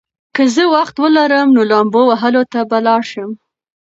که زه وخت ولرم، نو لامبو وهلو ته به لاړ شم.